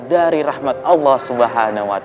dari rahmat allah swt